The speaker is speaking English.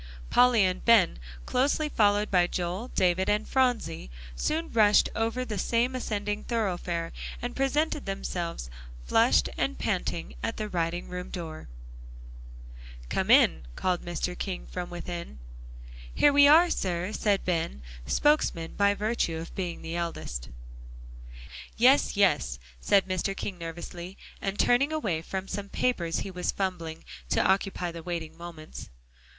Polly and Ben closely followed by Joel, David and Phronsie soon rushed over the same ascending thoroughfare, and presented themselves, flushed and panting, at the writing room door. "Come in," called Mr. King from within. "Here we are, sir," said Ben, spokesman by virtue of being the eldest. "Yes, yes," said Mr. King nervously, and turning away from some papers he was fumbling to occupy the waiting moments.